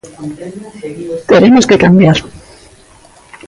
Teremos que cambiar.